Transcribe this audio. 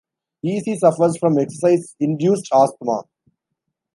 Easy suffers from exercise-induced asthma.